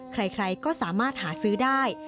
ใครก็สามารถหาซื้อได้